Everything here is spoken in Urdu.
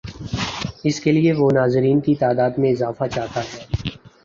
اس کے لیے وہ ناظرین کی تعداد میں اضافہ چاہتا ہے۔